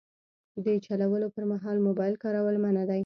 د چلولو پر مهال موبایل کارول منع دي.